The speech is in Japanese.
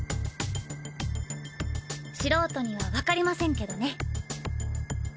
素人にはわかりませんけどね。